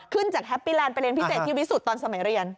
ขึ้นจากแฮปปี้แลนด์ไปเรียนพิเศษที่วิสุทธิ์ตอนสมัยเรียน